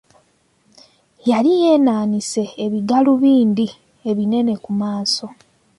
Yali yeenaanise ebigaalubindi ebinene ku maaso.